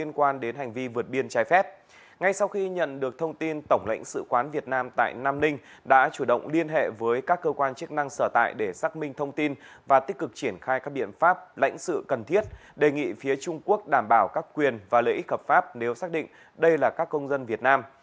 ngay sau khi nhận được thông tin tổng lãnh sự quán việt nam tại nam ninh đã chủ động liên hệ với các cơ quan chức năng sở tại để xác minh thông tin và tích cực triển khai các biện pháp lãnh sự cần thiết đề nghị phía trung quốc đảm bảo các quyền và lợi ích hợp pháp nếu xác định đây là các công dân việt nam